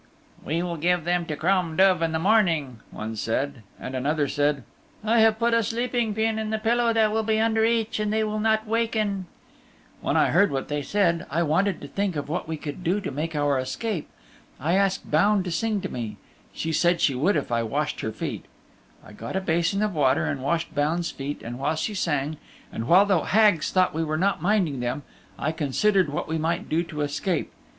"We will give them to Crom Duv in the morning" one said. And another said, "I have put a sleeping pin in the pillow that will be under each, and they will not waken." When I heard what they said I wanted to think of what we could do to make our escape. I asked Baun to sing to me. She said she would if I washed her feet. I got a basin of water and washed Baun's feet, and while she sang, and while the Hags thought we were not minding them, I considered what we might do to escape.